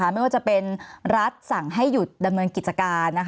ไม่ว่าจะเป็นรัฐสั่งให้หยุดดำเนินกิจการ